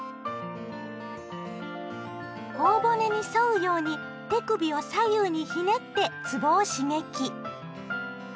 ほお骨に沿うように手首を左右にひねってつぼを刺激！